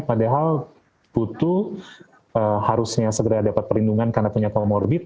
padahal butuh harusnya segera dapat perlindungan karena punya komorbit